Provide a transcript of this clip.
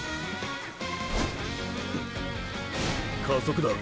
加速だ。